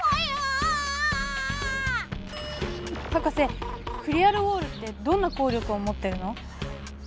博士クリアルウォールってどんな効力をもってるの？